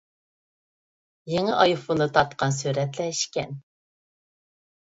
يېڭى ئايفوندا تارتقان سۈرەتلەر ئىكەن.